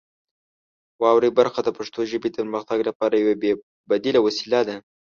واورئ برخه د پښتو ژبې د پرمختګ لپاره یوه بې بدیله وسیله ده.